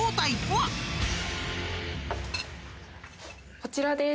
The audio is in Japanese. こちらです。